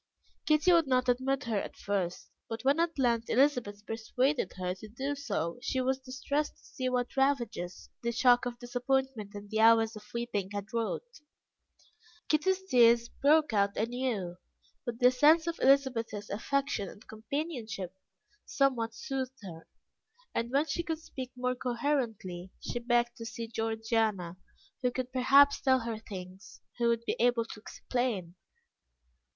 Kitty would not admit her at first, and when at length Elizabeth persuaded her to do so, she was distressed to see what ravages the shock of disappointment and the hours of weeping had wrought. Kitty's tears broke out anew, but the sense of Elizabeth's affection and companionship somewhat soothed her, and when she could speak more coherently, she begged to see Georgiana, who could perhaps tell her things who would be able to explain.